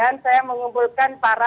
karena rupanya kita harus berpengalaman